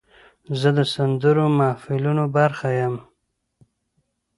زه د سندرو د محفلونو برخه یم.